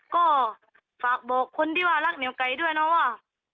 ก็ฝากบอกคนที่ว่ารักเหนียวไก่ด้วยนะว่า